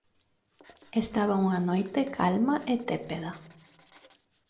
Estaba unha noite calma e tépeda.